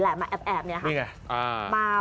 แหละมาแอบเนี่ยค่ะ